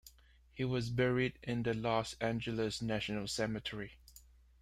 He was buried in the Los Angeles National Cemetery.